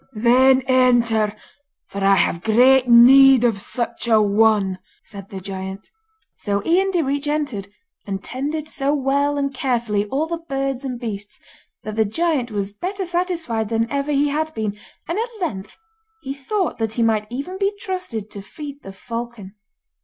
'Then enter, for I have great need of such a one,' said the giant. So Ian Direach entered, and tended so well and carefully all the birds and beasts, that the giant was better satisfied than ever he had been, and at length he thought that he might even be trusted to feed the falcon.